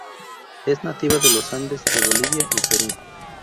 Es nativa de los Andes de Bolivia y Perú.